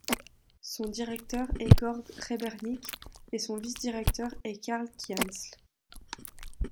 Son directeur est Georg Rebernig et son vice-directeur est Karl Kienzl.